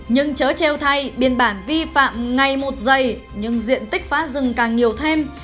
nhưng chớ treo thay biên bản vi phạm ngày một dày nhưng diện tích phá rừng càng nhiều thêm